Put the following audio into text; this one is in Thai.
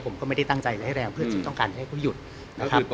ผมก็ไม่ได้ตั้งใจร้ายแรงเพื่อที่ต้องการให้เขาหยุดนะครับ